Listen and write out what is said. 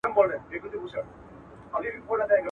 په غرور او په خندا دام ته نیژدې سو ,